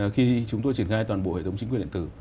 khi chúng tôi triển khai toàn bộ hệ thống chính quyền điện tử